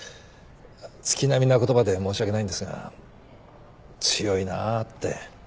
月並みな言葉で申し訳ないんですが強いなぁって。